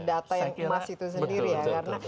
data yang emas itu sendiri ya karena